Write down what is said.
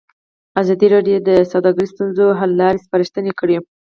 ازادي راډیو د سوداګري د ستونزو حل لارې سپارښتنې کړي.